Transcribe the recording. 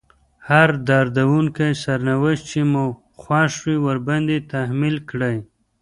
هر دردونکی سرنوشت چې مو خوښ وي ورباندې تحميل کړئ.